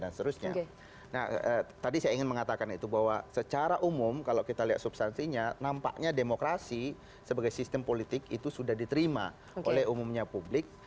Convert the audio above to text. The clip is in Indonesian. nah tadi saya ingin mengatakan itu bahwa secara umum kalau kita lihat substansinya nampaknya demokrasi sebagai sistem politik itu sudah diterima oleh umumnya publik